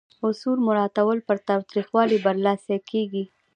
اصول مراعاتول پر تاوتریخوالي برلاسي کیږي.